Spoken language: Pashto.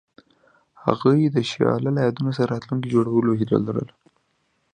هغوی د شعله له یادونو سره راتلونکی جوړولو هیله لرله.